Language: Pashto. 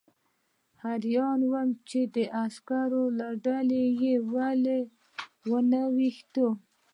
حیران وم چې د عسکرو ډله یې ولې ونه ویشته